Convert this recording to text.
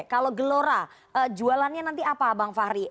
kalau gelora jualannya nanti apa bang fahri